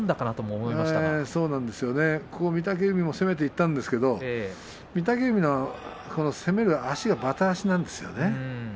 御嶽海、攻めていったんですが御嶽海、攻めていく足がばた足なんですね。